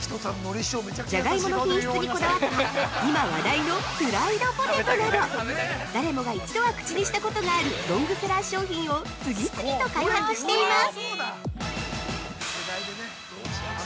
ジャガイモの品質にこだわった今話題の「プライドポテト」など誰もが一度は口にしたことがあるロングセラー商品を次々と開発しています！